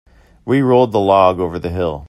We rolled the log over the hill.